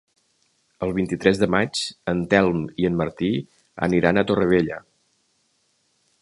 El vint-i-tres de maig en Telm i en Martí aniran a Torrevella.